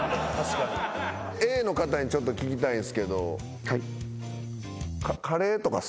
Ａの方にちょっと聞きたいんすけど。